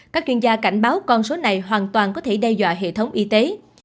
các chuyên gia cảnh báo con số này hoàn toàn có thể đe dọa hệ thống y tế